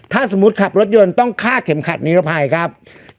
ถ้าสมมุติขับรถยนต์ต้องฆ่าเข็มขัดนิรภัยครับ